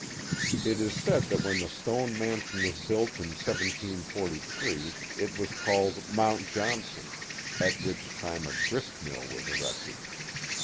It is said that when the stone mansion was built in 1743 it was called Mount Johnson, at which time a grist mill was erected.